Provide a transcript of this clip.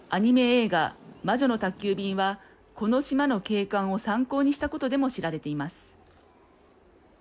映画、魔女の宅急便はこの島の景観を参考にしたことでも知られています。